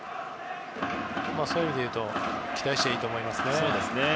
そういう意味でいうと期待していいと思います。